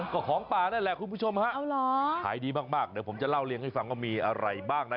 ก็ของป่านั่นแหละคุณผู้ชมฮะขายดีมากเดี๋ยวผมจะเล่าเลี้ยงให้ฟังว่ามีอะไรบ้างนะ